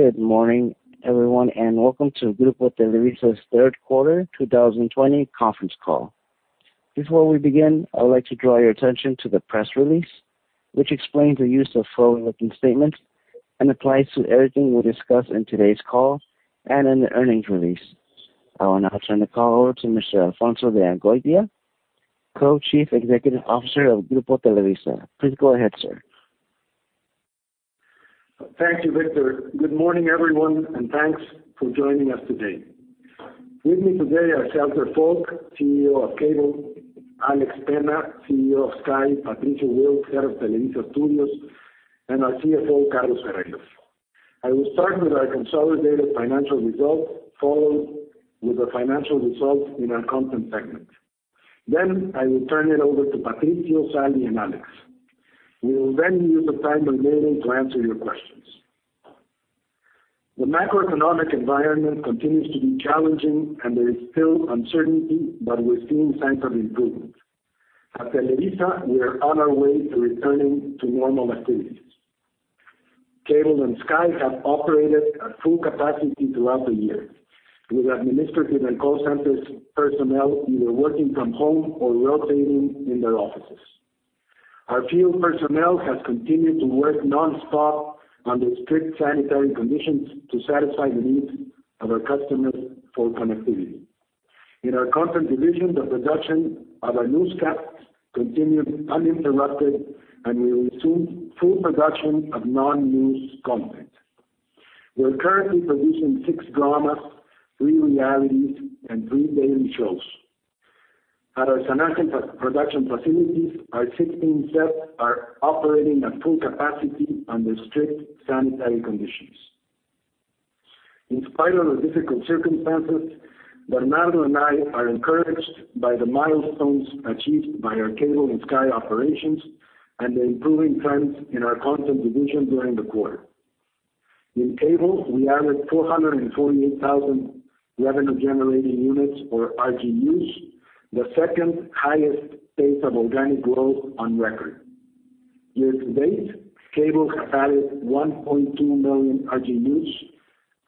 Good morning, everyone, and welcome to Grupo Televisa's third quarter 2020 conference call. Before we begin, I would like to draw your attention to the press release, which explains the use of forward-looking statements and applies to everything we discuss in today's call and in the earnings release. I will now turn the call over to Mr. Alfonso de Angoitia, Co-Chief Executive Officer of Grupo Televisa. Please go ahead, sir. Thank you, Victor. Good morning, everyone, and thanks for joining us today. With me today are Salvi Folch, CEO of Cable, Alex Penna, CEO of Sky, Patricio Wills, Head of Televisa Studios, and our CFO, Carlos Ferreiro. I will start with our consolidated financial results, followed with the financial results in our content segment. I will turn it over to Patricio, Salvi, and Alex. We will then use the time remaining to answer your questions. The macroeconomic environment continues to be challenging and there is still uncertainty, but we are seeing signs of improvement. At Televisa, we are on our way to returning to normal activities. Cable and Sky have operated at full capacity throughout the year, with administrative and call center personnel either working from home or rotating in their offices. Our field personnel has continued to work nonstop under strict sanitary conditions to satisfy the needs of our customers for connectivity. In our content division, the production of our newscast continued uninterrupted, and we resumed full production of non-news content. We are currently producing six dramas, three realities, and three daily shows. At our production facilities, our 16 sets are operating at full capacity under strict sanitary conditions. In spite of the difficult circumstances, Bernardo and I are encouraged by the milestones achieved by our Cable and Sky operations and the improving trends in our content division during the quarter. In Cable, we added 448,000 revenue-generating units or RGUs, the second highest pace of organic growth on record. Year-to-date, Cable has added 1.2 million RGUs,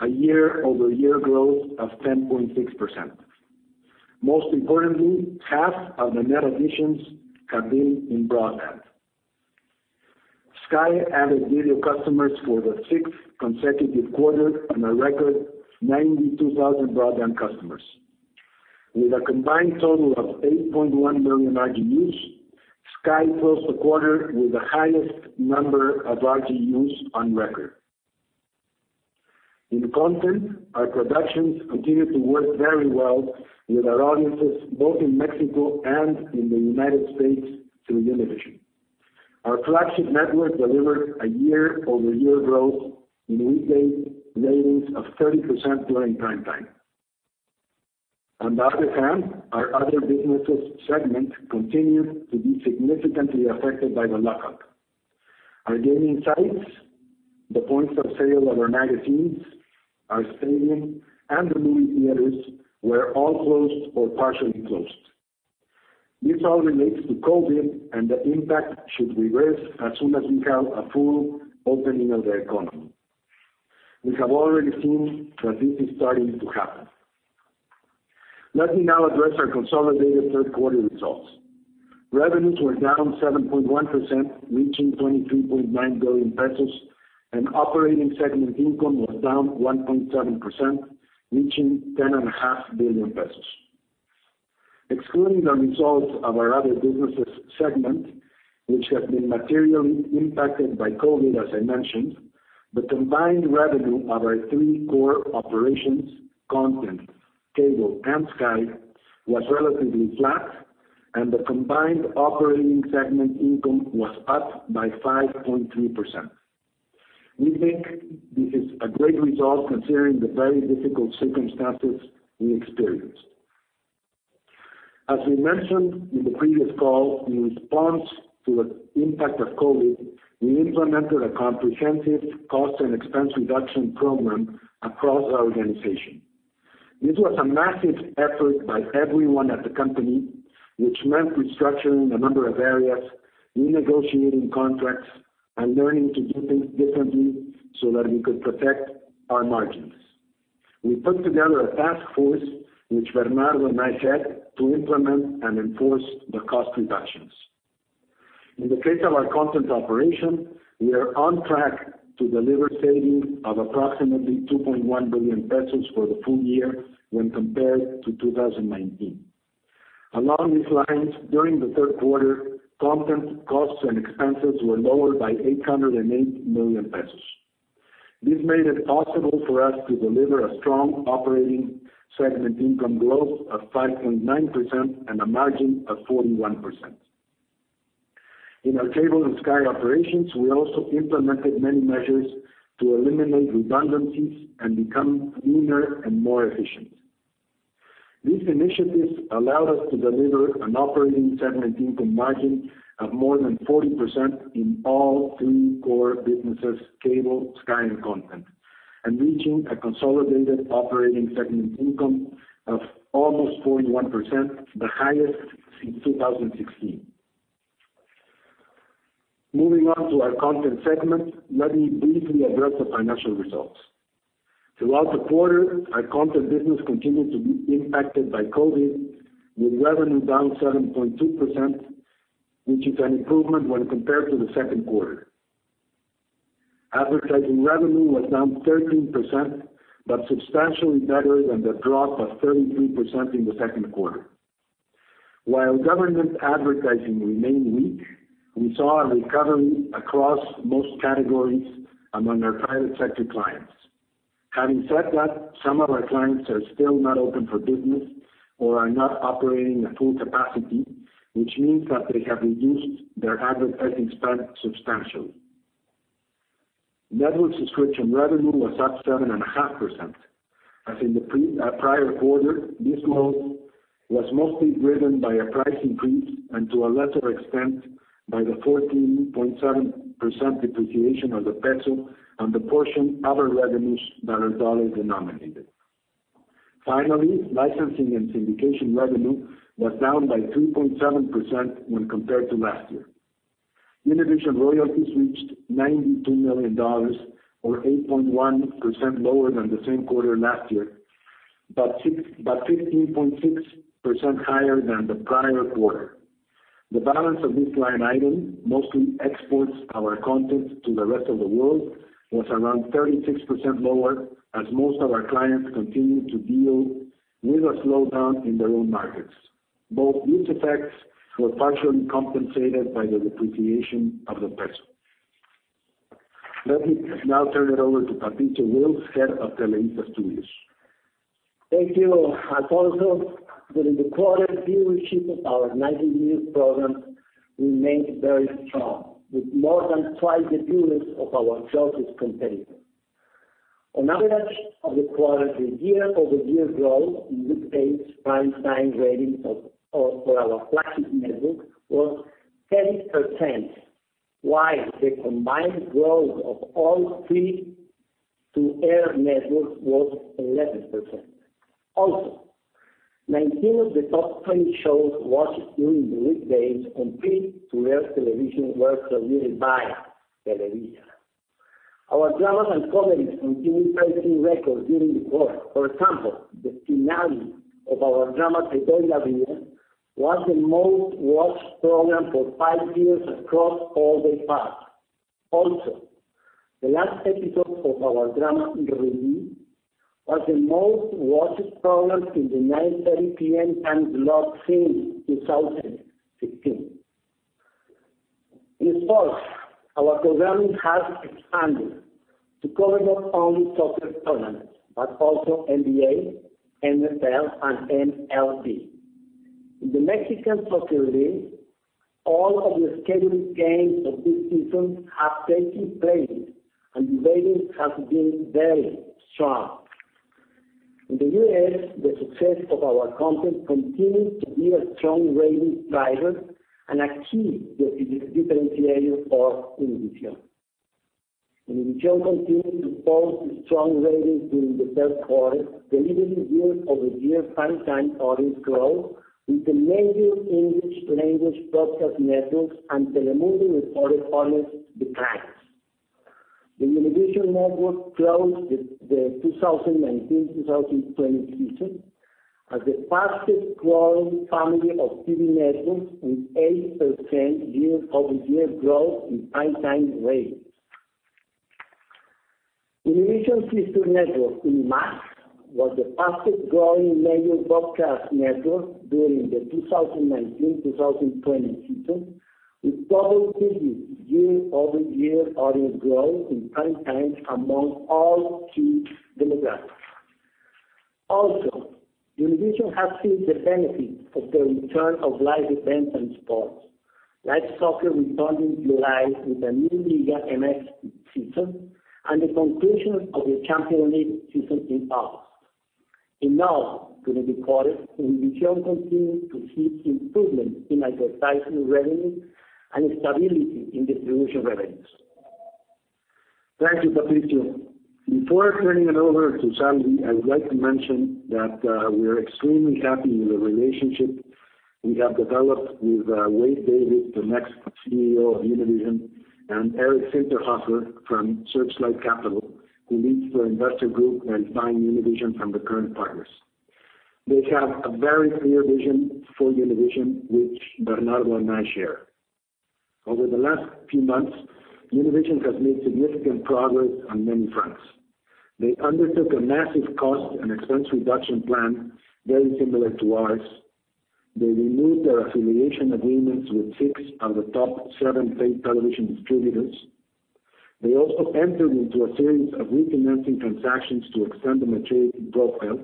a year-over-year growth of 10.6%. Most importantly, half of the net additions have been in broadband. Sky added video customers for the sixth consecutive quarter on a record 92,000 broadband customers. With a combined total of 8.1 million RGUs, Sky closed the quarter with the highest number of RGUs on record. In content, our productions continue to work very well with our audiences, both in Mexico and in the United States through Univision. Our flagship network delivered a year-over-year growth in weekday ratings of 30% during prime time. On the other hand, our Other Businesses segment continued to be significantly affected by the lockdown. Our gaming sites, the points of sale of our magazines, our stadium, and the movie theaters were all closed or partially closed. This all relates to COVID, the impact should regress as soon as we have a full opening of the economy. We have already seen that this is starting to happen. Let me now address our consolidated third quarter results. Revenues were down 7.1%, reaching 23.9 billion pesos, and operating segment income was down 1.7%, reaching 10.5 billion pesos. Excluding the results of our Other Businesses segment, which have been materially impacted by COVID, as I mentioned, the combined revenue of our three core operations, Content, Cable, and Sky, was relatively flat, and the combined operating segment income was up by 5.3%. We think this is a great result considering the very difficult circumstances we experienced. As we mentioned in the previous call, in response to the impact of COVID, we implemented a comprehensive cost and expense reduction program across our organization. This was a massive effort by everyone at the company, which meant restructuring a number of areas, renegotiating contracts, and learning to do things differently so that we could protect our margins. We put together a task force, which Bernardo and I said to implement and enforce the cost reductions. In the case of our content operation, we are on track to deliver savings of approximately 2.1 billion pesos for the full year when compared to 2019. Along these lines, during the third quarter, content costs and expenses were lower by 808 million pesos. This made it possible for us to deliver a strong operating segment income growth of 5.9% and a margin of 41%. In our Cable and Sky operations, we also implemented many measures to eliminate redundancies and become leaner and more efficient. These initiatives allowed us to deliver an operating segment income margin of more than 40% in all three core businesses, Cable, Sky, and Content, and reaching a consolidated operating segment income of almost 41%, the highest since 2016. Moving on to our Content segment, let me briefly address the financial results. Throughout the quarter, our Content business continued to be impacted by COVID, with revenue down 7.2%, which is an improvement when compared to the second quarter. Advertising revenue was down 13%, but substantially better than the drop of 33% in the second quarter. While government advertising remained weak, we saw a recovery across most categories among our private sector clients. Having said that, some of our clients are still not open for business or are not operating at full capacity, which means that they have reduced their advertising spend substantially. Network subscription revenue was up 7.5%. As in the prior quarter, this growth was mostly driven by a price increase, and to a lesser extent, by the 14.7% depreciation of the peso on the portion of our revenues that are dollar-denominated. Licensing and syndication revenue was down by 3.7% when compared to last year. Univision royalties reached $92 million, or 8.1% lower than the same quarter last year, but 15.6% higher than the prior quarter. The balance of this line item, mostly exports our content to the rest of the world, was around 36% lower as most of our clients continued to deal with a slowdown in their own markets. Both these effects were partially compensated by the depreciation of the peso. Let me now turn it over to Patricio Wills, head of Televisa Studios. Thank you, Alfonso. During the quarter, viewership of our Nu9ve News programs remained very strong, with more than twice the viewers of our closest competitor. On average, over the quarter, the year-over-year growth in weekdays prime time ratings for our flagship network was 10%, while the combined growth of all three free-to-air networks was 11%. 19 of the top 20 shows watched during the weekdays on free-to-air television were produced by Televisa. Our dramas and comedies continued breaking records during the quarter. For example, the finale of our drama, ["Señora Acero,"] was the most-watched program for five years across all day parts. The last episode of our drama, "Rubí", was the most-watched program in the 9:30 P.M. time slot since 2016. In sports, our programming has expanded to cover not only soccer tournaments, but also NBA, NFL, and MLB. In the Liga MX, all of the scheduled games of this season have taken place, and the ratings have been very strong. In the U.S., the success of our content continued to be a strong ratings driver and a key differentiator for Univision. Univision continued to post strong ratings during the third quarter, delivering year-over-year prime time audience growth with the major English language broadcast networks and Telemundo recorded audience declines. The Univision network closed the 2019-2020 season as the fastest growing family of TV networks with 8% year-over-year growth in prime time ratings. Univision sister network, UniMás, was the fastest growing major broadcast network during the 2019-2020 season, with double-digit year-over-year audience growth in prime time among all key demographics. Univision has seen the benefit of the return of live events and sports. Live soccer returned in July with the new Liga MX season and the conclusion of the Champions League season in August. In August, during the quarter, Univision continued to see improvement in advertising revenue and stability in distribution revenues. Thank you, Patricio. Before turning it over to Salvi, I would like to mention that we are extremely happy with the relationship we have developed with Wade Davis, the next CEO of Univision, and Eric Zinterhofer from Searchlight Capital, who leads the investor group that is buying Univision from the current partners. They have a very clear vision for Univision, which Bernardo and I share. Over the last few months, Univision has made significant progress on many fronts. They undertook a massive cost and expense reduction plan very similar to ours. They renewed their affiliation agreements with six of the top seven paid television distributors. They also entered into a series of refinancing transactions to extend the maturity profile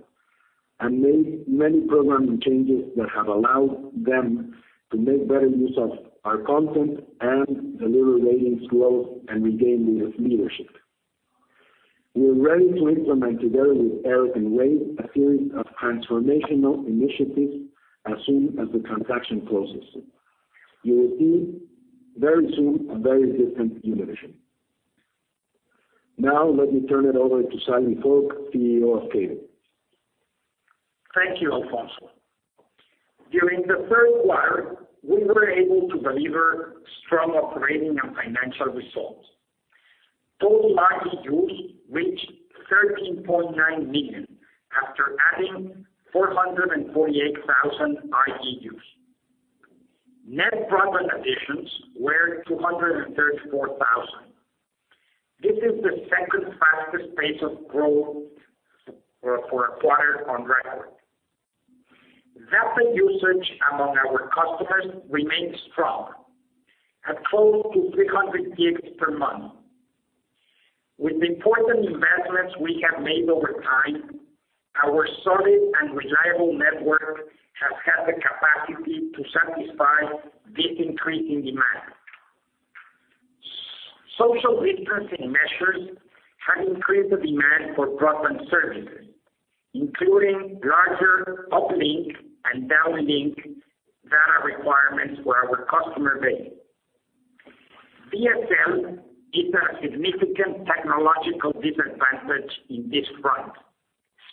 and made many programming changes that have allowed them to make better use of our content and deliver ratings growth and regain leadership. We are ready to implement, together with Eric and Wade, a series of transformational initiatives as soon as the transaction closes. You will see very soon a very different Univision. Let me turn it over to Salvi Folch, CEO of Cable. Thank you, Alfonso. During the third quarter, we were able to deliver strong operating and financial results. Total RGUs reached 13.9 million after adding 448,000 RGUs. Net broadband additions were 234,000. This is the second fastest pace of growth for a quarter on record. Data usage among our customers remains strong at close to 300 gigabits per month. With the important investments we have made over time, our solid and reliable network has had the capacity to satisfy this increase in demand. Social distancing measures have increased the demand for broadband services, including larger uplink and downlink data requirements for our customer base. DSL is a significant technological disadvantage in this front,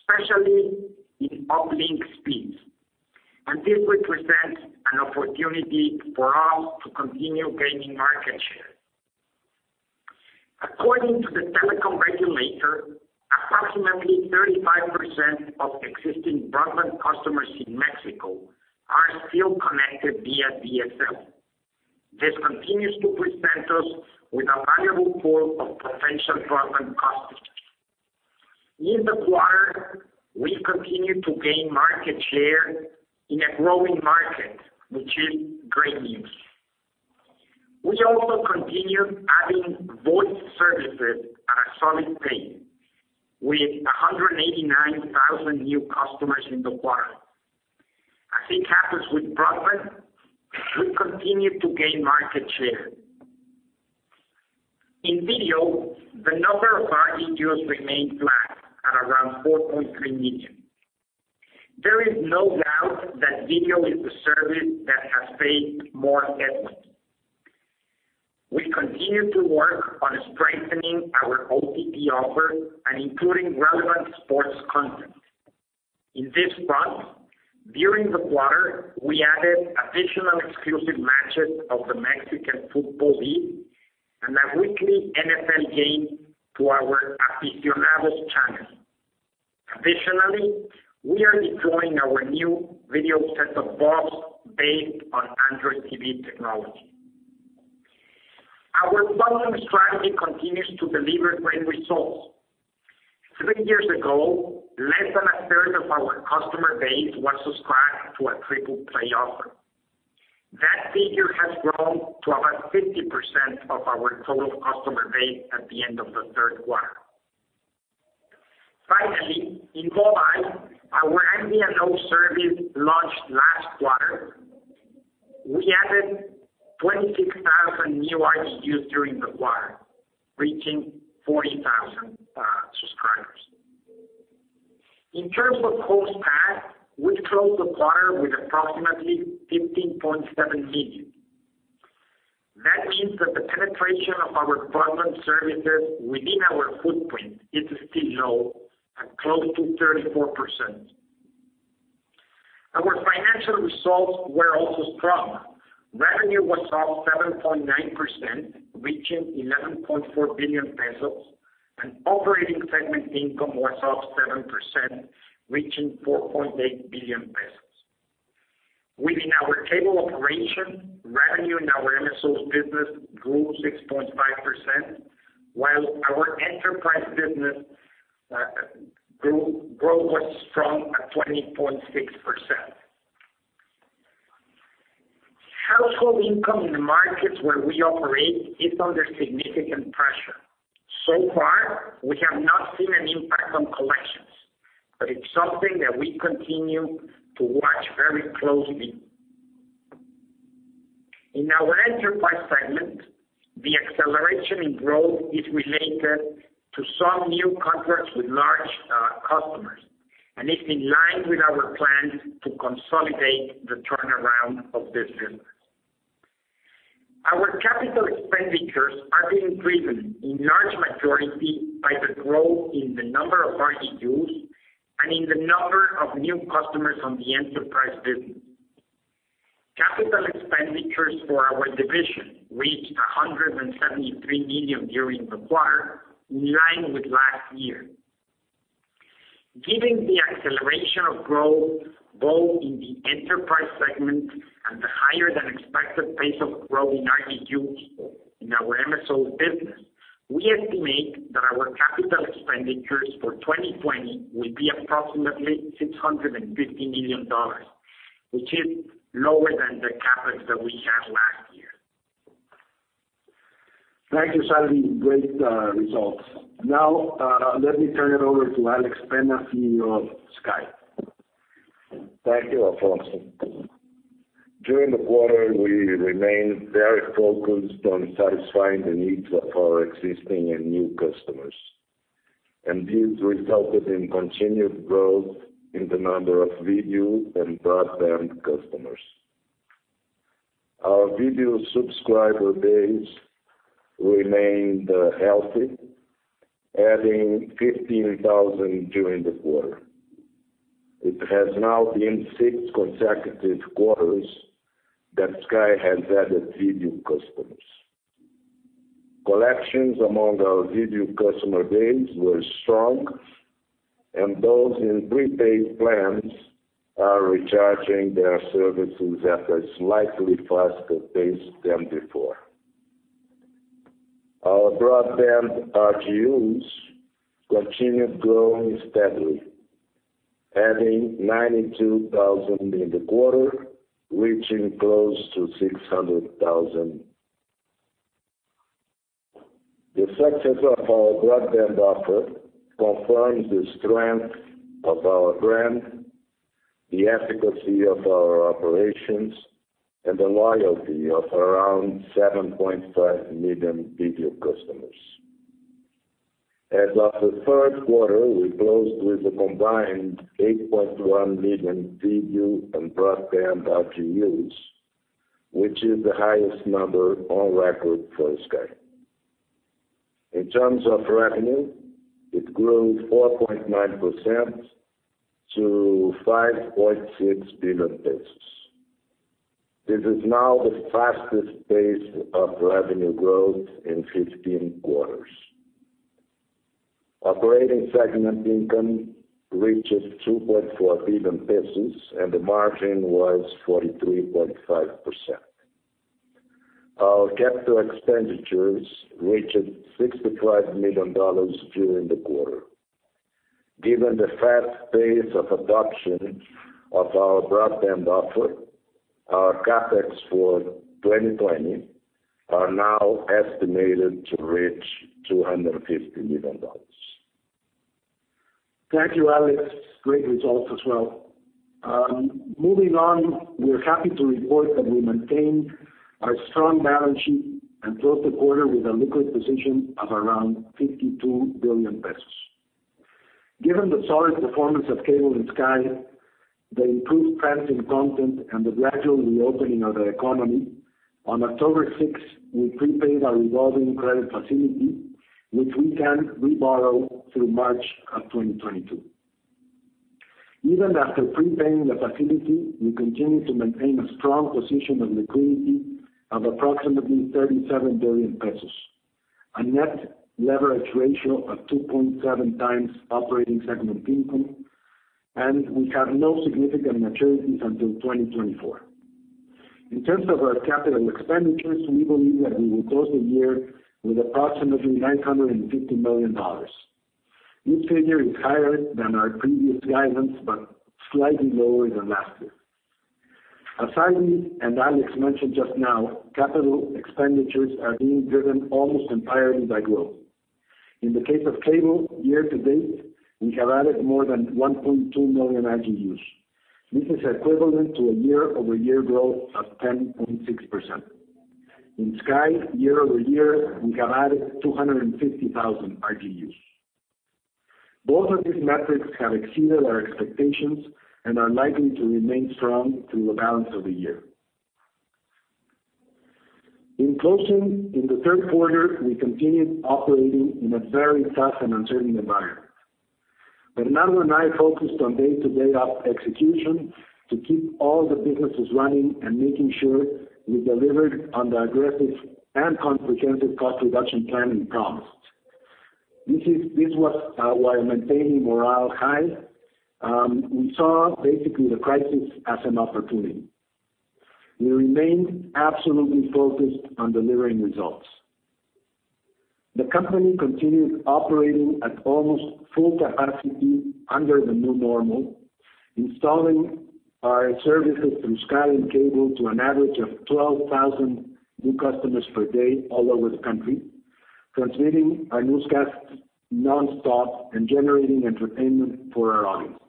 especially in uplink speeds, and this represents an opportunity for us to continue gaining market share. According to the telecom regulator, approximately 35% of existing broadband customers in Mexico are still connected via DSL. This continues to present us with a valuable pool of potential broadband customers. In the quarter, we continued to gain market share in a growing market, which is great news. We also continued adding voice services at a solid pace with 189,000 new customers in the quarter. As it happens with broadband, we continued to gain market share. In video, the number of RGUs remained flat at around 4.3 million. There is no doubt that video is the service that has paid more effort. We continue to work on strengthening our OTT offer and including relevant sports content. In this front, during the quarter, we added additional exclusive matches of the Mexican Fútbol league and a weekly NFL game to our afizzionados channel. Additionally, we are deploying our new video set-top box based on Android TV technology. Our volume strategy continues to deliver great results. Three years ago, less than a third of our customer base was subscribed to a triple play offer. That figure has grown to about 50% of our total customer base at the end of the third quarter. Finally, in mobile, our MVNO service launched last quarter. We added 26,000 new RGUs during the quarter, reaching 40,000 subscribers. In terms of homes, we closed the quarter with approximately 15.7 million. That means that the penetration of our broadband services within our footprint is still low at close to 34%. Our financial results were also strong. Revenue was up 7.9%, reaching 11.4 billion pesos, and operating segment income was up 7%, reaching 4.8 billion pesos. Within our Cable operation, revenue in our MSO business grew 6.5%, while our enterprise business growth was strong at 20.6%. Household income in the markets where we operate is under significant pressure. Far, we have not seen an impact on collections, but it's something that we continue to watch very closely. In our enterprise segment, the acceleration in growth is related to some new contracts with large customers, and it's in line with our plans to consolidate the turnaround of this business. Our capital expenditures are increasing in large majority by the growth in the number of RGUs and in the number of new customers on the enterprise business. Capital expenditures for our division reached $173 million during the quarter, in line with last year. Given the acceleration of growth, both in the enterprise segment and the higher than expected pace of growth in RGUs in our MSO business, we estimate that our capital expenditures for 2020 will be approximately $650 million, which is lower than the CapEx that we had last year. Thank you, Salvi. Great results. Let me turn it over to Alex Penna, CEO of Sky. Thank you, Alfonso. During the quarter, we remained very focused on satisfying the needs of our existing and new customers, and this resulted in continued growth in the number of video and broadband customers. Our video subscriber base remained healthy, adding 15,000 during the quarter. It has now been six consecutive quarters that Sky has added video customers. Collections among our video customer base were strong, and those in prepaid plans are recharging their services at a slightly faster pace than before. Our broadband RGUs continued growing steadily, adding 92,000 in the quarter, reaching close to 600,000. The success of our broadband offer confirms the strength of our brand, the efficacy of our operations, and the loyalty of around 7.5 million video customers. As of the third quarter, we closed with a combined 8.1 million video and broadband RGUs, which is the highest number on record for Sky. In terms of revenue, it grew 4.9% to 5.6 billion pesos. This is now the fastest pace of revenue growth in 15 quarters. Operating segment income reaches 2.4 billion pesos, and the margin was 43.5%. Our capital expenditures reached $65 million during the quarter. Given the fast pace of adoption of our broadband offer, our CapEx for 2020 are now estimated to reach $250 million. Thank you, Alex. Great results as well. Moving on, we are happy to report that we maintained our strong balance sheet and closed the quarter with a liquid position of around 52 billion pesos. Given the solid performance of Cable and Sky, the improved trends in content, and the gradual reopening of the economy, on October 6th, we prepaid our revolving credit facility, which we can reborrow through March of 2022. Even after prepaying the facility, we continue to maintain a strong position of liquidity of approximately 37 billion pesos, a net leverage ratio of 2.7x operating segment income, and we have no significant maturities until 2024. In terms of our CapEx, we believe that we will close the year with approximately $950 million. This figure is higher than our previous guidance, but slightly lower than last year. As Salvi and Alex mentioned just now, capital expenditures are being driven almost entirely by growth. In the case of Cable, year-to-date, we have added more than 1.2 million RGUs. This is equivalent to a year-over-year growth of 10.6%. In Sky, year-over-year, we have added 250,000 RGUs. Both of these metrics have exceeded our expectations and are likely to remain strong through the balance of the year. In closing, in the third quarter, we continued operating in a very tough and uncertain environment. Bernardo and I focused on day-to-day op execution to keep all the businesses running and making sure we delivered on the aggressive and comprehensive cost reduction plan we promised. This is while maintaining morale high. We saw basically the crisis as an opportunity. We remained absolutely focused on delivering results. The company continued operating at almost full capacity under the new normal, installing our services through Sky and Cable to an average of 12,000 new customers per day all over the country, transmitting our newscasts nonstop, and generating entertainment for our audience.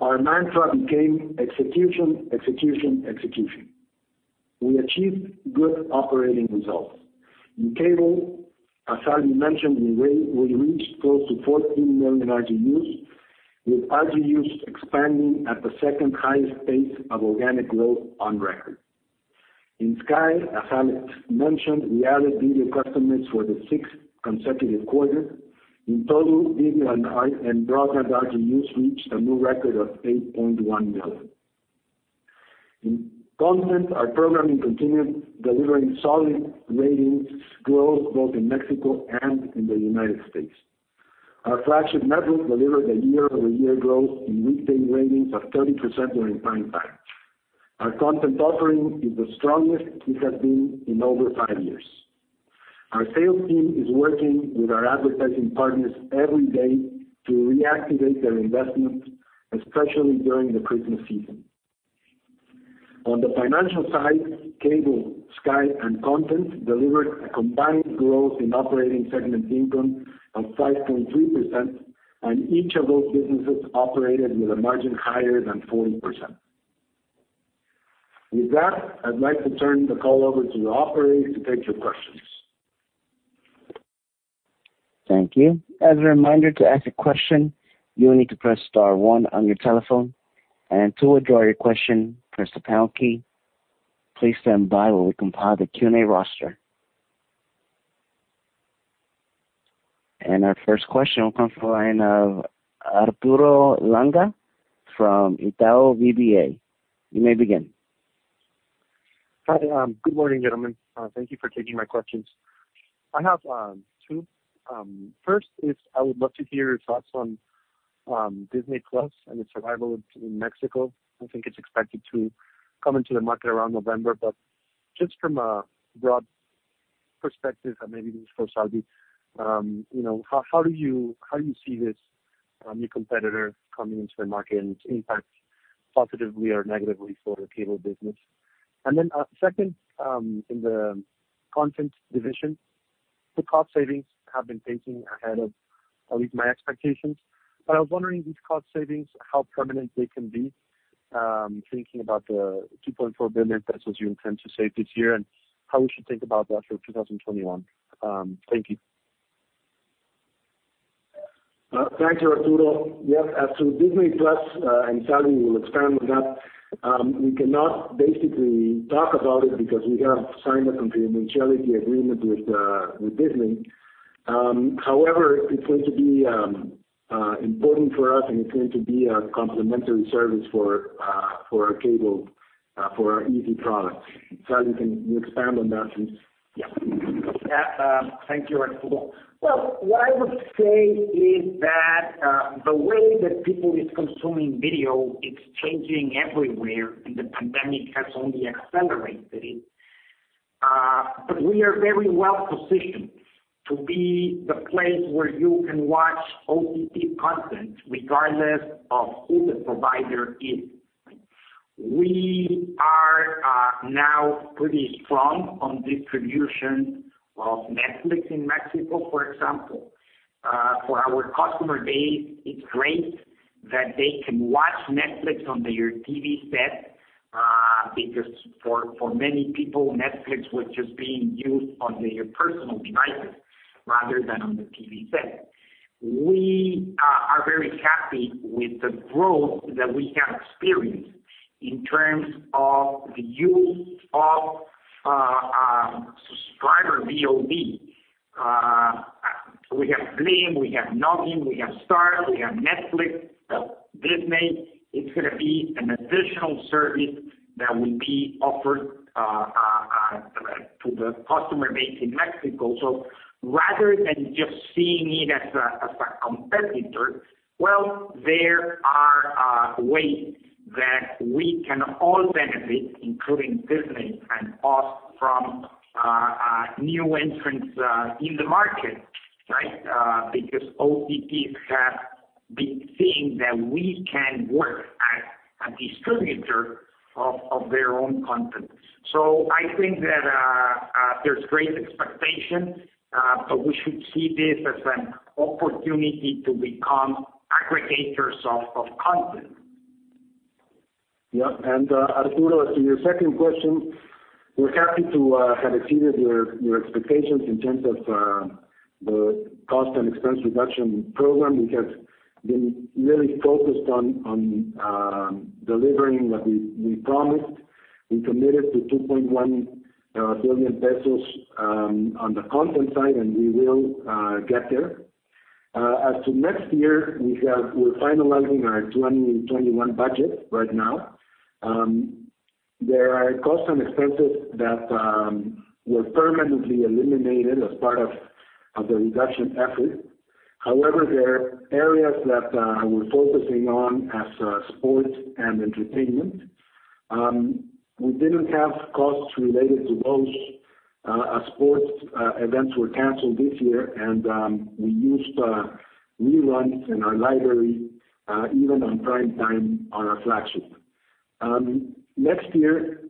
Our mantra became execution, execution, execution. We achieved good operating results. In Cable, as Salvi mentioned, we reached close to 14 million RGUs, with RGUs expanding at the second highest pace of organic growth on record. In Sky, as Alex mentioned, we added video customers for the sixth consecutive quarter. In total, video and broadband RGUs reached a new record of 8.1 million. In content, our programming continued delivering solid ratings growth both in Mexico and in the U.S. Our flagship network delivered a year-over-year growth in weekday ratings of 30% during prime time. Our content offering is the strongest it has been in over five years. Our sales team is working with our advertising partners every day to reactivate their investment, especially during the Christmas season. On the financial side, Cable, Sky, and Content delivered a combined growth in operating segment income of 5.3%, and each of those businesses operated with a margin higher than 40%. With that, I'd like to turn the call over to the operator to take your questions. Thank you. As a reminder, to ask a question, you will need to press star one on your telephone, and to withdraw your question, press the pound key. Please stand by while we compile the Q&A roster. Our first question will come from the line of Arturo Langa from Itaú BBA. You may begin. Hi. Good morning, gentlemen. Thank you for taking my questions. I have two. First is I would love to hear your thoughts on Disney+ and its arrival in Mexico. I think it's expected to come into the market around November, but just from a broad perspective, and maybe this is for Salvi, how do you see this new competitor coming into the market and its impact positively or negatively for the Cable business? Second, in the Content division, the cost savings have been pacing ahead of at least my expectations. But I was wondering, these cost savings, how permanent they can be, thinking about the 2.4 billion pesos you intend to save this year, and how we should think about that for 2021. Thank you. Thank you, Arturo. Yes, as to Disney+, and Salvi will expand on that, we cannot basically talk about it because we have signed a confidentiality agreement with Disney. However, it's going to be important for us, and it's going to be a complementary service for our cable, for our izzi products. Salvi, can you expand on that? Yeah. Thank you, Arturo. Well, what I would say is that the way that people is consuming video, it's changing everywhere, and the pandemic has only accelerated it. We are very well positioned to be the place where you can watch OTT content, regardless of who the provider is. We are now pretty strong on distribution of Netflix in Mexico, for example. For our customer base, it's great that they can watch Netflix on their TV set because for many people, Netflix was just being used on their personal devices rather than on the TV set. We are very happy with the growth that we have experienced in terms of the use of subscriber VOD. We have blim, we have Noggin, we have Star, we have Netflix. Disney is going to be an additional service that will be offered to the customer base in Mexico. Rather than just seeing it as a competitor, well, there are ways that we can all benefit, including Disney and us, from new entrants in the market. OTTs have been seeing that we can work as a distributor of their own content. I think that there's great expectation, we should see this as an opportunity to become aggregators of content. Yeah. Arturo, as to your second question, we're happy to have exceeded your expectations in terms of the cost and expense reduction program. We have been really focused on delivering what we promised. We committed to 2.1 billion pesos on the content side, and we will get there. As to next year, we're finalizing our 2021 budget right now. There are costs and expenses that were permanently eliminated as part of the reduction effort. However, there are areas that we're focusing on as sports and entertainment. We didn't have costs related to those as sports events were canceled this year, and we used reruns in our library, even on prime time on our flagship. Next year,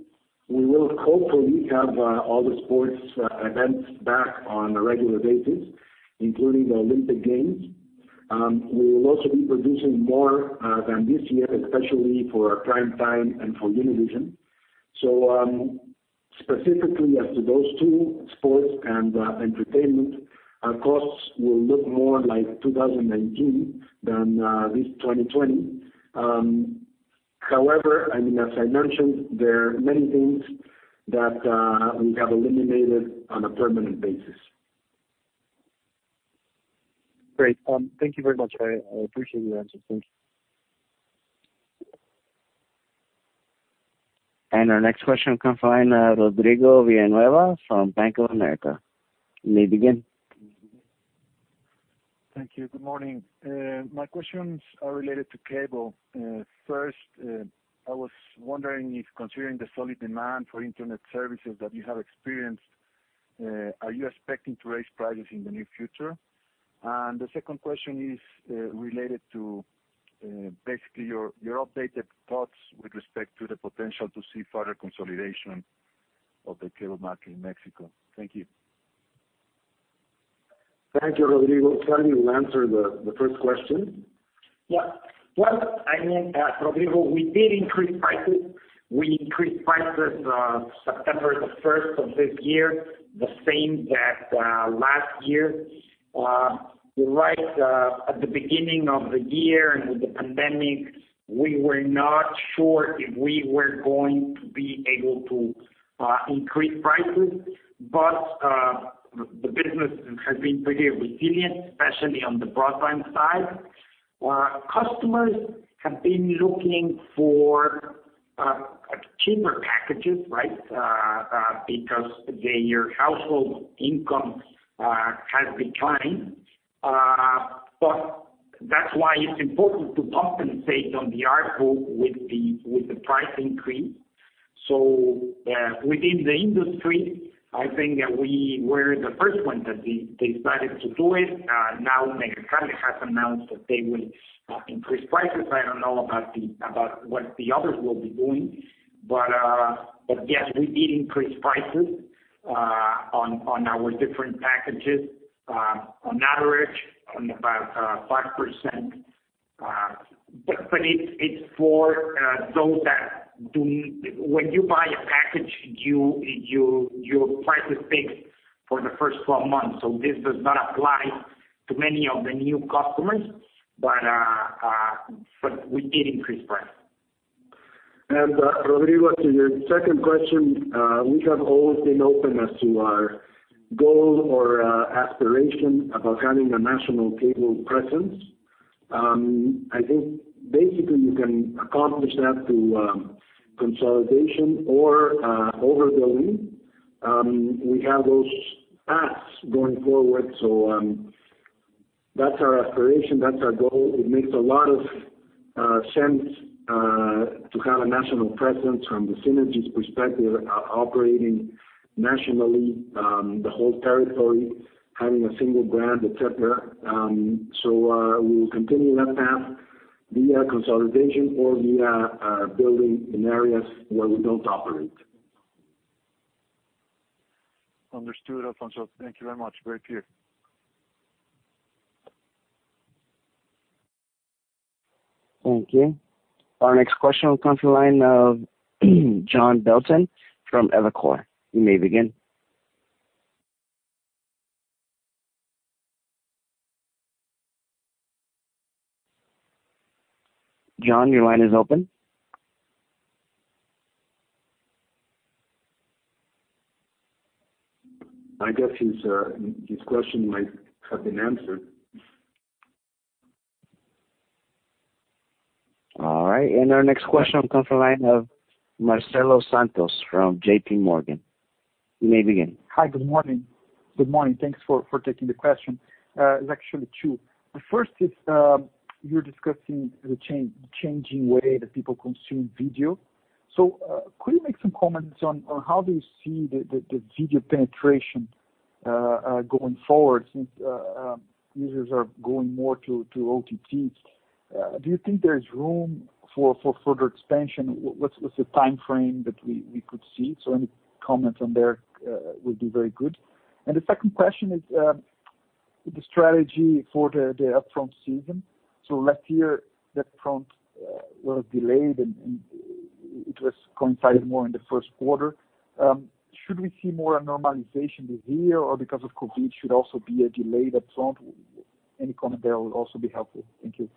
we will hopefully have all the sports events back on a regular basis, including the Olympic Games. We will also be producing more than this year, especially for prime time and for Univision. Specifically as to those two, sports and entertainment, our costs will look more like 2019 than this 2020. However, as I mentioned, there are many things that we have eliminated on a permanent basis. Great. Thank you very much. I appreciate your answers. Thank you. Our next question comes from Rodrigo Villanueva from Bank of America. You may begin. Thank you. Good morning. My questions are related to Cable. First, I was wondering if, considering the solid demand for internet services that you have experienced, are you expecting to raise prices in the near future? The second question is related to basically your updated thoughts with respect to the potential to see further consolidation of the cable market in Mexico. Thank you. Thank you, Rodrigo. Salvi will answer the first question. Yeah. Well, Rodrigo, we did increase prices. We increased prices September the first of this year, the same as last year. You're right. At the beginning of the year and with the pandemic, we were not sure if we were going to be able to increase prices. The business has been pretty resilient, especially on the broadband side, where customers have been looking for cheaper packages. Because their household income has declined. That's why it's important to compensate on the ARPU with the price increase. Within the industry, I think that we were the first ones that decided to do it. Now, Megacable has announced that they will increase prices. I don't know about what the others will be doing. Yes, we did increase prices on our different packages, on average, on about 5%. When you buy a package, your price is fixed for the first 12 months. This does not apply to many of the new customers, but we did increase price. Rodrigo, to your second question, we have always been open as to our goal or aspiration about having a national cable presence. I think basically you can accomplish that through consolidation or overbuilding. We have those paths going forward. That's our aspiration, that's our goal. It makes a lot of sense to have a national presence from the synergies perspective, operating nationally, the whole territory, having a single brand, et cetera. We will continue that path via consolidation or via building in areas where we don't operate. Understood, Alfonso. Thank you very much. Great to hear. Thank you. Our next question will come from the line of John Belton from Evercore. You may begin. John, your line is open. I guess his question might have been answered. All right. Our next question will come from the line of Marcelo Santos from JPMorgan. You may begin. Hi. Good morning. Good morning. Thanks for taking the question. It's actually two. The first is, you're discussing the changing way that people consume video. Could you make some comments on how do you see the video penetration going forward since users are going more to OTT? Do you think there is room for further expansion? What's the timeframe that we could see? Any comments on there would be very good. The second question is the strategy for the upfront season. Last year, the upfront was delayed, and it was coincided more in the first quarter. Should we see more normalization this year, or because of COVID, should also be a delayed upfront? Any comment there will also be helpful. Thank you.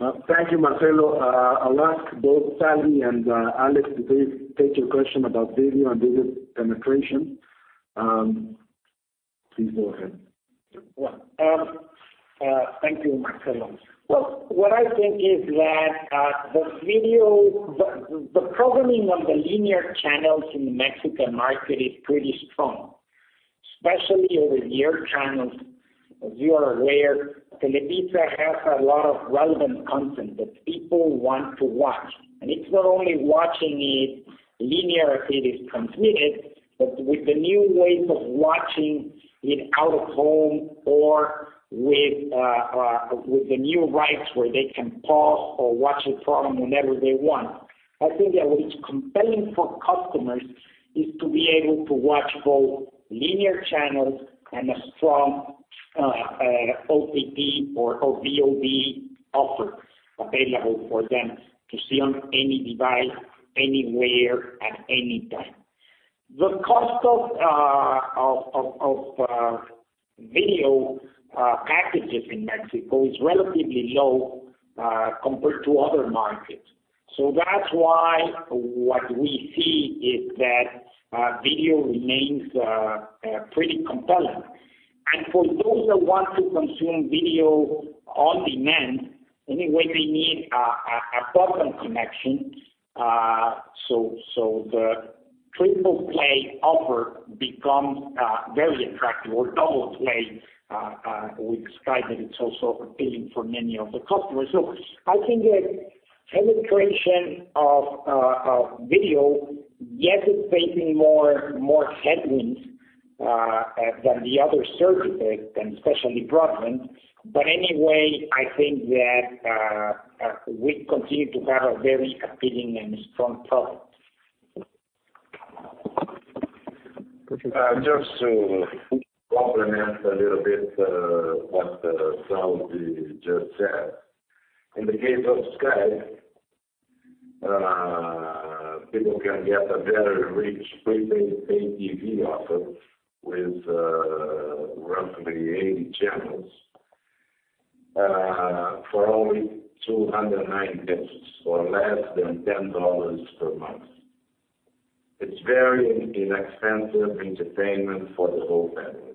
Thank you, Marcelo. I'll ask both Salvi and Alex to take your question about video and video penetration. Please go ahead. Thank you, Marcelo. Well, what I think is that the programming on the linear channels in the Mexican market is pretty strong, especially over-the-air channels. As you are aware, Televisa has a lot of relevant content that people want to watch. It's not only watching it linear as it is transmitted, but with the new ways of watching it out of home or with the new rights where they can pause or watch a program whenever they want. I think that what is compelling for customers is to be able to watch both linear channels and a strong OTT or VOD offer available for them to see on any device, anywhere, at any time. The cost of video packages in Mexico is relatively low compared to other markets. That's why what we see is that video remains pretty compelling. For those that want to consume video on demand, anyway, they need a broadband connection. The triple play offer becomes very attractive or double play. We described that it's also appealing for many of the customers. I think that penetration of video, yes, it's facing more headwinds than the other services, and especially broadband. Anyway, I think that we continue to have a very appealing and strong product. Just to complement a little bit what Salvi just said. In the case of Sky, people can get a very rich prepaid pay-TV offer with roughly 80 channels for only 290 pesos or less than $10 per month. It's very inexpensive entertainment for the whole family.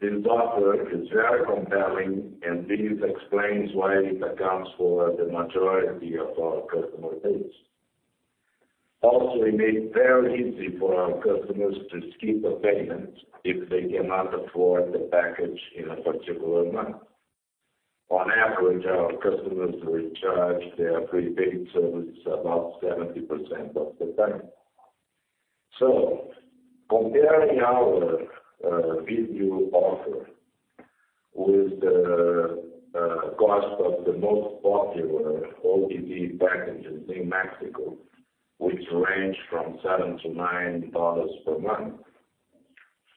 This offer is very compelling. This explains why it accounts for the majority of our customer base. Also, we made it very easy for our customers to skip a payment if they cannot afford the package in a particular month. On average, our customers recharge their prepaid service about 70% of the time. Comparing our video offer with the cost of the most popular OTT packages in Mexico, which range from $7-$9 per month,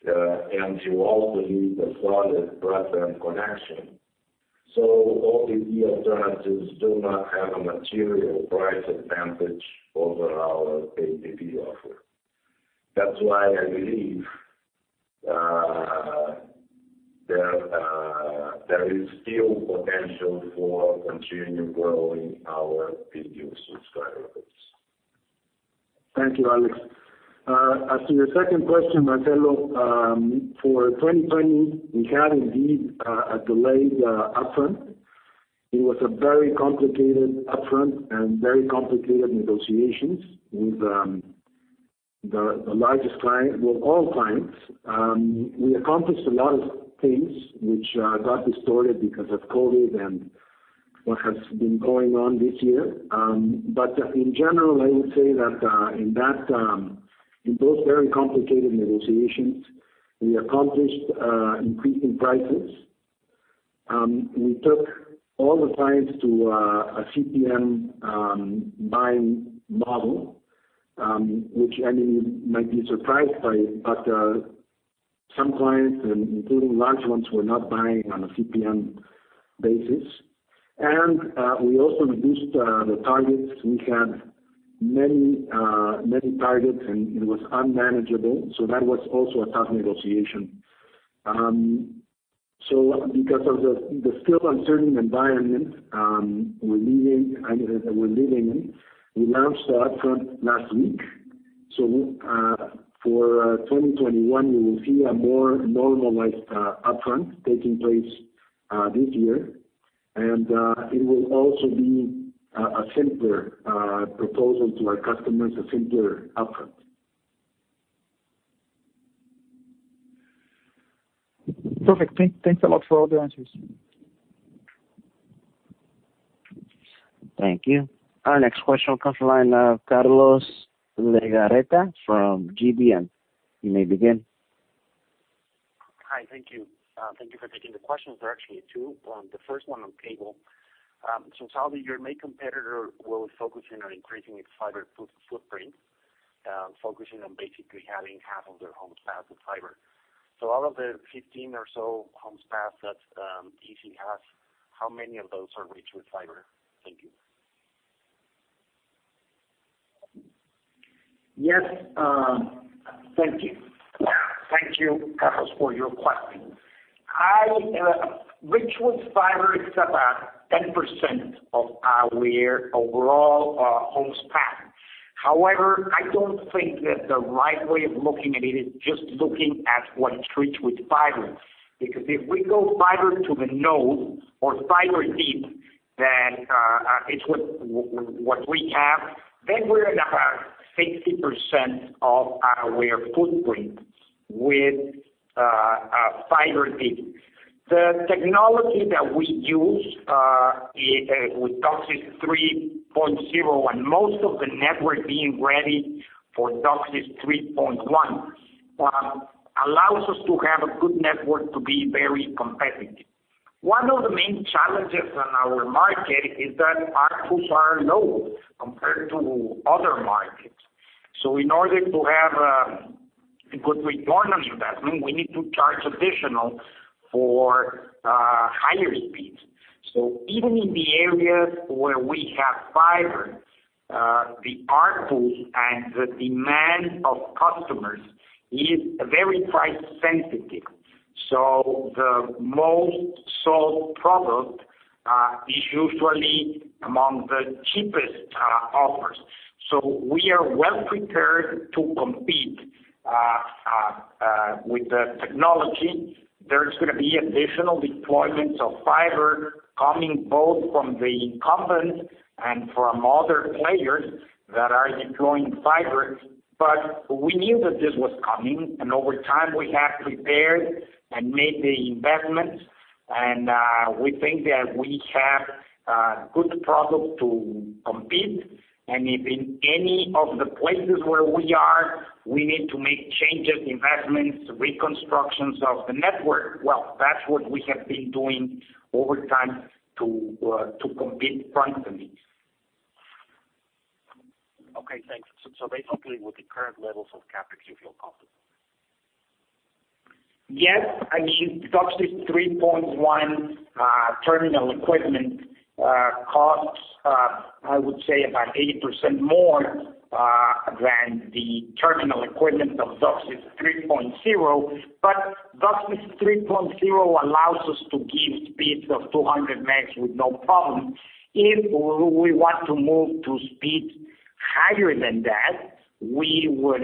and you also need a solid broadband connection. OTT alternatives do not have a material price advantage over our pay-TV offer. That's why I believe there is still potential for continuing growing our video subscriber base. Thank you, Alex. As to your second question, Marcelo, for 2020, we had indeed a delayed upfront. It was a very complicated upfront and very complicated negotiations with the largest client, well all clients. We accomplished a lot of things which got distorted because of COVID and what has been going on this year. In general, I would say that in those very complicated negotiations, we accomplished increasing prices. We took all the clients to a CPM buying model, which I mean, you might be surprised by, but some clients, including large ones, were not buying on a CPM basis. We also reduced the targets. We had many targets, and it was unmanageable. That was also a tough negotiation. Because of the still uncertain environment we're living in, we launched the upfront last week. For 2021, you will see a more normalized upfront taking place this year. It will also be a simpler proposal to our customers, a simpler upfront. Perfect. Thanks a lot for all the answers. Thank you. Our next question will come from the line of Carlos Legarreta from GBM. You may begin. Hi, thank you. Thank you for taking the questions. There are actually two. The first one on cable. Salvi, your main competitor will be focusing on increasing its fiber footprint, focusing on basically having half of their homes passed with fiber. Out of the 15 or so homes passed that izzi has, how many of those are reached with fiber? Thank you. Yes. Thank you, Carlos, for your question. Reached with fiber is about 10% of our overall homes passed. I don't think that the right way of looking at it is just looking at what is reached with fiber. If we go fiber to the node or fiber deep, then it's what we have, then we're at about 60% of our footprint with fiber deep. The technology that we use, with DOCSIS 3.0 and most of the network being ready for DOCSIS 3.1, allows us to have a good network to be very competitive. One of the main challenges on our market is that ARPU are low compared to other markets. In order to have a good return on investment, we need to charge additional for higher speeds. Even in the areas where we have fiber, the ARPU and the demand of customers is very price sensitive. The most sold product is usually among the cheapest offers. We are well prepared to compete with the technology. There's going to be additional deployments of fiber coming both from the incumbent and from other players that are deploying fiber. We knew that this was coming, and over time we have prepared and made the investments, and we think that we have a good product to compete. If in any of the places where we are, we need to make changes, investments, reconstructions of the network, well, that's what we have been doing over time to compete frontally. Okay, thanks. Basically with the current levels of CapEx, you feel comfortable? Yes. DOCSIS 3.1 terminal equipment costs, I would say about 80% more than the terminal equipment of DOCSIS 3.0, but DOCSIS 3.0 allows us to give speeds of 200 megabits with no problem. If we want to move to speeds higher than that, we would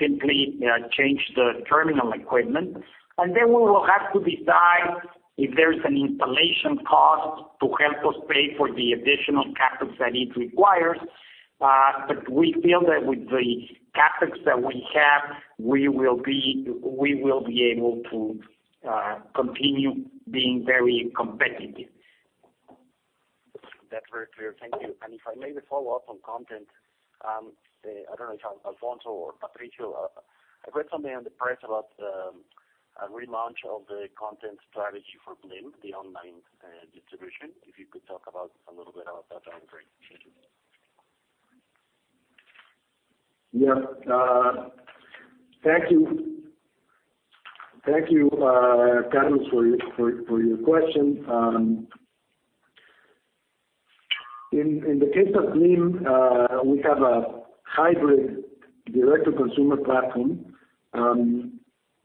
simply change the terminal equipment, and then we will have to decide if there's an installation cost to help us pay for the additional CapEx that it requires. We feel that with the CapEx that we have, we will be able to continue being very competitive. That's very clear. Thank you. If I may follow up on content, I don't know if Alfonso or Patricio, I read something in the press about a relaunch of the content strategy for blim, the online distribution. If you could talk a little bit about that'd be great. Thank you. Yes. Thank you, Carlos, for your question. In the case of blim, we have a hybrid direct-to-consumer platform.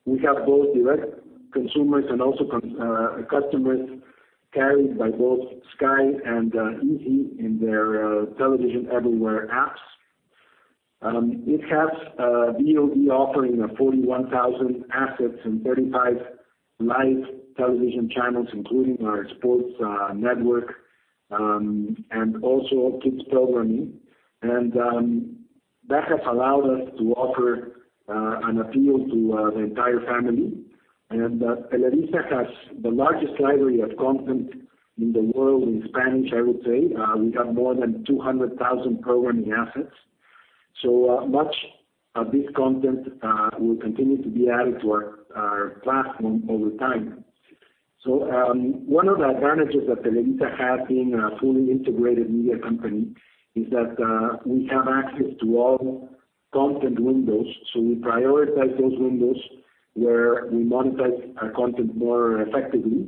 We have both direct consumers and also customers carried by both Sky and izzi in their television everywhere apps. It has a VOD offering of 41,000 assets and 35 live television channels, including our sports network, also kids programming. That has allowed us to offer an appeal to the entire family. Televisa has the largest library of content in the world in Spanish, I would say. We have more than 200,000 programming assets. Much of this content will continue to be added to our platform over time. One of the advantages that Televisa has being a fully integrated media company is that we have access to all content windows, so we prioritize those windows where we monetize our content more effectively.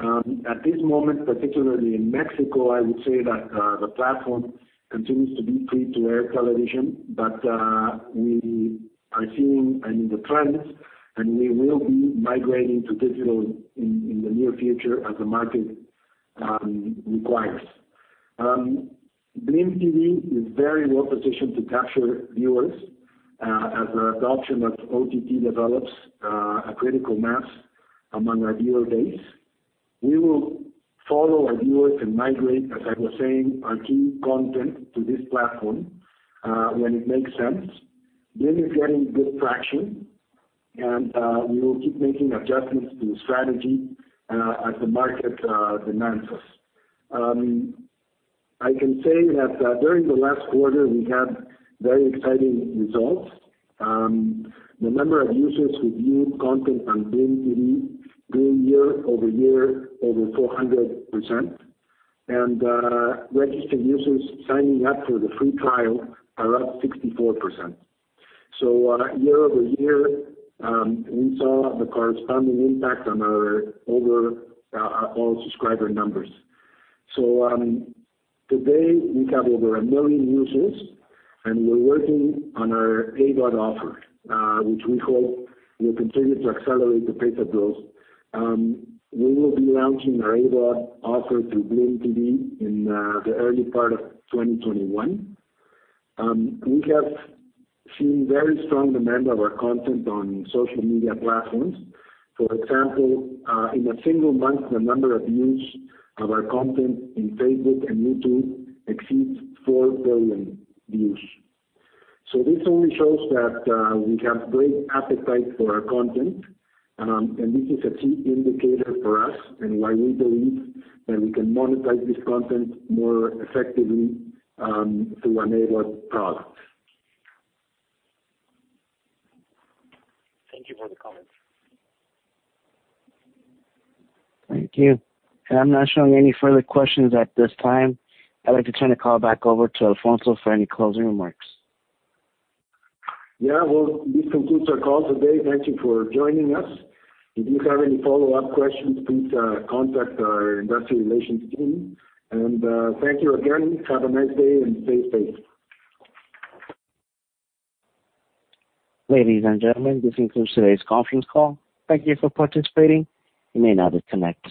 At this moment, particularly in Mexico, I would say that the platform continues to be free-to-air television, but we are seeing in the trends, and we will be migrating to digital in the near future as the market requires. blim tv is very well positioned to capture viewers as the adoption of OTT develops a critical mass among our viewer base. We will follow our viewers and migrate, as I was saying, our key content to this platform when it makes sense. blim is getting good traction, and we will keep making adjustments to the strategy as the market demands us. I can say that during the last quarter, we had very exciting results. The number of users who viewed content on blim tv grew year-over-year over 400%, and registered users signing up for the free trial are up 64%. Year-over-year, we saw the corresponding impact on our overall subscriber numbers. Today we have over a million users, and we're working on our AVOD offer, which we hope will continue to accelerate the paid sub growth. We will be launching our AVOD offer to blim tv in the early part of 2021. We have seen very strong demand of our content on social media platforms. For example, in a single month, the number of views of our content on Facebook and YouTube exceeds four billion views. This only shows that we have great appetite for our content, and this is a key indicator for us and why we believe that we can monetize this content more effectively through an AVOD product. Thank you for the comments. Thank you. I'm not showing any further questions at this time. I'd like to turn the call back over to Alfonso for any closing remarks. Yeah. Well, this concludes our call today. Thank you for joining us. If you have any follow-up questions, please contact our investor relations team. Thank you again. Have a nice day, and stay safe. Ladies and gentlemen, this concludes today's conference call. Thank you for participating. You may now disconnect.